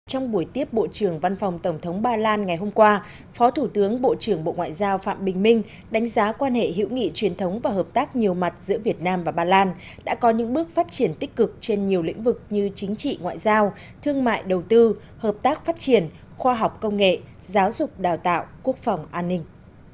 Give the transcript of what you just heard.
trong buổi tiếp bộ trưởng văn phòng tổng thống ba lan ngày hôm qua phó thủ tướng bộ trưởng bộ ngoại giao phạm bình minh đánh giá quan hệ hữu nghị truyền thống và hợp tác nhiều mặt giữa việt nam và ba lan đã có những bước phát triển tích cực trên nhiều lĩnh vực như chính trị ngoại giao thương mại đầu tư hợp tác phát triển khoa học công nghệ giáo dục đào tạo quốc phòng an ninh